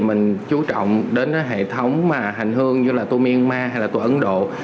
mình chú trọng đến hệ thống hành hương như tour myanmar hay tour ấn độ